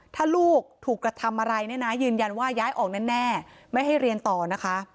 ถ้าลูกถูกกระทำอะไรเนี่ยนะยืนยันว่าย้ายออกแน่ไม่ให้เรียนต่อนะคะ